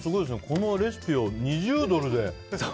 このレシピを２０ドルで。